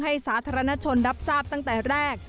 สาธารณชนรับทราบตั้งแต่แรก